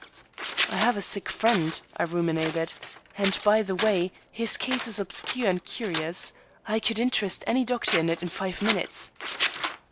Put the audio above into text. "I have a sick friend," I ruminated. "And by the way, his case is obscure and curious. I could interest any doctor in it in five minutes."